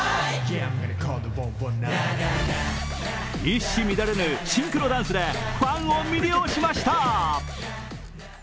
一糸乱れぬシンクロダンスでファンを魅了しました。